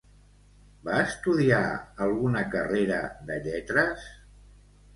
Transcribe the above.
Va estudiar alguna carrera de lletres?